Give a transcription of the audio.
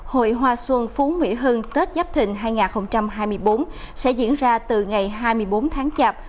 hội hoa xuân phú mỹ hưng tết giáp thịnh hai nghìn hai mươi bốn sẽ diễn ra từ ngày hai mươi bốn tháng chạp